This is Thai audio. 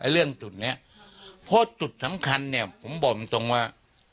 เรื่องจุดนี้เพราะจุดสำคัญเนี่ยผมบอกตรงว่า